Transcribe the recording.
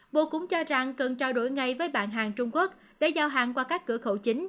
bộ cũng cho rằng cần trao đổi ngay với bạn hàng trung quốc để giao hàng qua các cửa khẩu chính